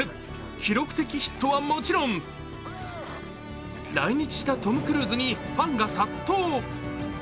記録的ヒットはもちろん来日したトム・クルーズにファンが殺到。